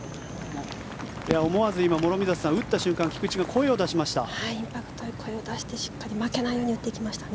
思わず今、諸見里さん打った瞬間菊地が声を出しました。